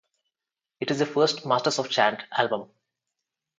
It is the first "Masters of Chant" album.